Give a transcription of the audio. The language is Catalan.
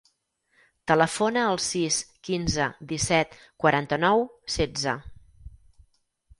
Telefona al sis, quinze, disset, quaranta-nou, setze.